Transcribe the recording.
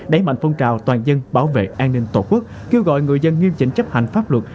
đẩy mạnh phong trào toàn dân bảo vệ an ninh tổ quốc kêu gọi người dân nghiêm chỉnh chấp hành pháp luật